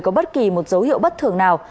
có bất kỳ một dấu hiệu bất thường nào